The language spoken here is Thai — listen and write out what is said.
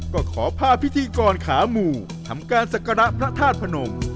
ก็ขอพาพิธีกรขาหมู่ทำการศักระพระธาตุพนม